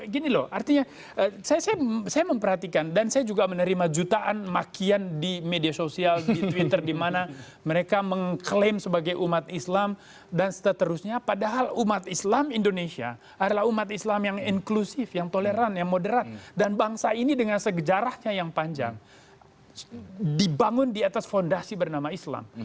gini loh artinya saya memperhatikan dan saya juga menerima jutaan makian di media sosial di twitter dimana mereka mengklaim sebagai umat islam dan seterusnya padahal umat islam indonesia adalah umat islam yang inklusif yang toleran yang moderat dan bangsa ini dengan segejarahnya yang panjang dibangun di atas fondasi bernama islam